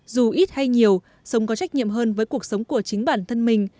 dù ít hay nhiều sống có trách nhiệm hơn với cuộc sống của chính bản thân mình